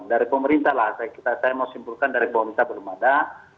dari pemerintah lah saya mau simpulkan dari pemerintah belum ada